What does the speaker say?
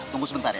tunggu sebentar ya